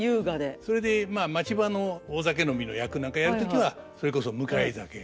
それで町場の大酒飲みの役なんかやる時はそれこそ迎え酒。